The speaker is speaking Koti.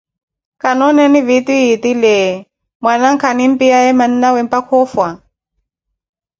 Khawooneni vidio etile mwanankha animpiyakaaye mannawe mpaka oofwa ?